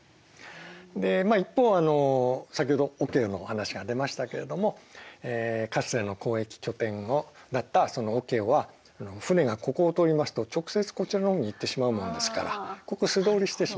で一方先ほどオケオの話が出ましたけれどもかつての交易拠点だったオケオは船がここを通りますと直接こちらの方に行ってしまうもんですからここ素通りしてしまう。